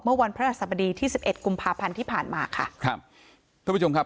วันพระราชสบดีที่สิบเอ็ดกุมภาพันธ์ที่ผ่านมาค่ะครับท่านผู้ชมครับ